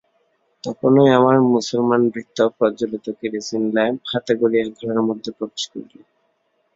তখনই আমার মুসলমান ভৃত্য প্রজ্জ্বলিত কেরোসিন ল্যাম্প হাতে করিয়া ঘরের মধ্যে প্রবেশ করিল।